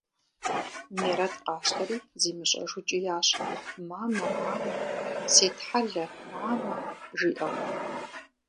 Мерэт къащтэри зимыщӀэжу кӀиящ: – Мамэ, мамэ! Сетхьэлэ, мамэ! – жиӀэурэ.